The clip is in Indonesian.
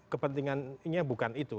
kepentingannya bukan itu